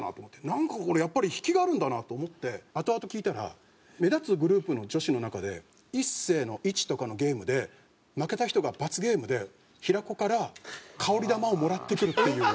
なんかこれやっぱり引きがあるんだなと思ってあとあと聞いたら目立つグループの女子の中で「いっせーの１」とかのゲームで負けた人が罰ゲームで平子から香り玉をもらってくるっていう。